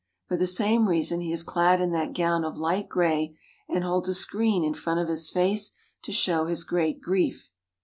For the same reason he is clad in that gown of light gray and holds a screen in front of his face to show his great grief.